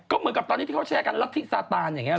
ก็เหมือนกับตอนนี้ที่เขาแชร์กันรัฐธิสาตานอย่างนี้ห